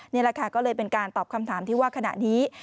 นี่แหละค่ะก็เลยเป็นการตอบคำถามที่ว่าขณะนี้